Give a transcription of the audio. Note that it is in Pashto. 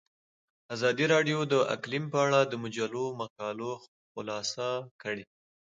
ازادي راډیو د اقلیم په اړه د مجلو مقالو خلاصه کړې.